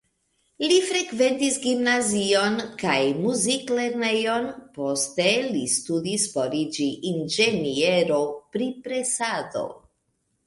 Li frekventis gimnazion kaj muziklernejon, poste li studis por iĝi inĝeniero pri presado.